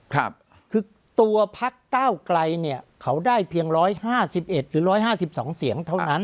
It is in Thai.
ครับคือตัวพักเต้าไกลเนี่ยเขาได้เพียงร้อยห้าสิบเอ็ดหรือร้อยห้าสิบสองเสียงเท่านั้น